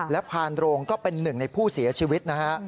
และพานโรงก็เป็นหนึ่งในผู้เสียชีวิตนะฮะ